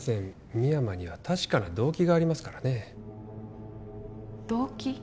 深山には確かな動機がありますからね動機？